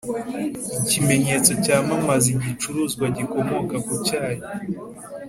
Ikimenyetso cyamamaza igicuruzwa gikomoka ku cyayi